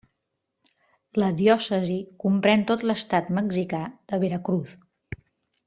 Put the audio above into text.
La diòcesi comprèn tot l'estat mexicà de Veracruz.